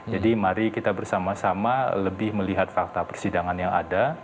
jadi mari kita bersama sama lebih melihat fakta persidangan yang ada